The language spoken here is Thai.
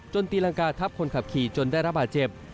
ตีรังกาทับคนขับขี่จนได้รับบาดเจ็บ